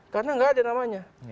karena nggak ada namanya